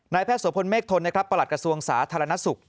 นายแพทย์สวพลเมฆทนนะครับประหลักกระทรวงศาสตร์ธรรมนักศึกษ์